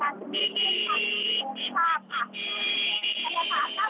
เยอะมากใช่ไหมครับ